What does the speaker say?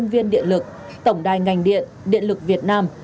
viên điện lực tổng đài ngành điện điện lực việt nam